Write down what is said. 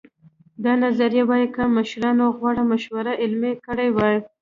دا نظریه وایي که مشرانو غوره مشورې عملي کړې وای.